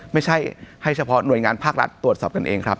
ไม่ใช่ให้เฉพาะหน่วยงานภาครัฐตรวจสอบกันเองครับ